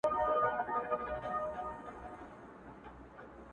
چا ویل؟ چي سوځم له انګار سره مي نه لګي!.